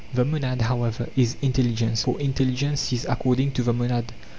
The monad, however, is intelligence, for intelligence sees according to the monad.